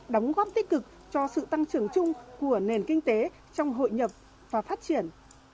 đóng góp tích cực cho sự tăng trưởng chung của nền kinh tế trong hội nhập và phát triển